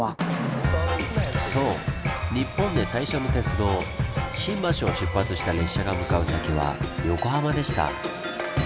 そう日本で最初の鉄道新橋を出発した列車が向かう先は横浜でした。